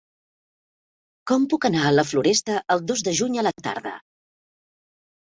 Com puc anar a la Floresta el dos de juny a la tarda?